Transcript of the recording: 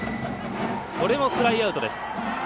これもフライアウト。